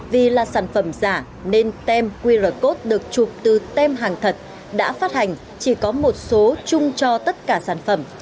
vì là sản phẩm giả nên tem qr code được chụp từ tem hàng thật đã phát hành chỉ có một số chung cho tất cả sản phẩm